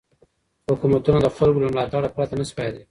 حکومتونه د خلګو له ملاتړ پرته نه سي پايېدای.